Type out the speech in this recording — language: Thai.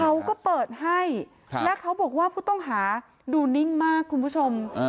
เขาก็เปิดให้และเขาบอกว่าผู้ต้องหาดูนิ่งมากคุณผู้ชม